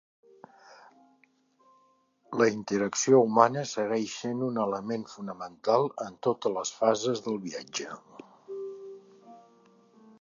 La interacció humana segueix sent un element fonamental en totes les fases del viatge.